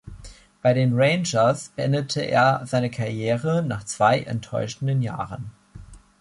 Bei den Rangers beendete er seine Karriere nach zwei enttäuschenden Jahren.